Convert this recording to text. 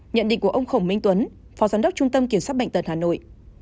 nhận định của ông khổng minh tuấn phó giám đốc trung tâm kiểm soát bệnh tật hà nội